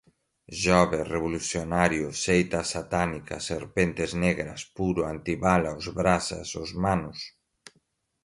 jovem, revolucionário, seita satânica, serpentes negras, puro, antibala, os brasas, os manos